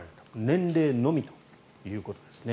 年齢のみということですね。